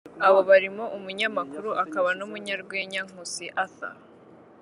Abo barimo Umunyamakuru akaba n’Umunyarwenya Nkusi Arthur